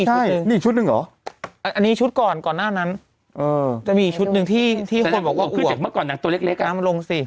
จะมีชุดหนึ่งที่คนบอกว่าคือเจ็บเมื่อก่อนน่ะตัวเล็กล้างมาลงสิ